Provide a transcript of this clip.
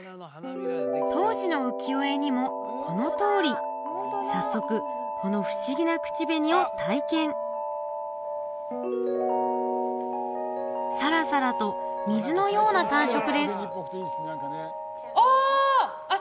当時の浮世絵にもこのとおり早速この不思議な口紅を体験さらさらと水のような感触ですああ！